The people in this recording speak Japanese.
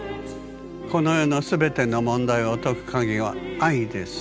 この世のすべての問題を解く鍵は愛です。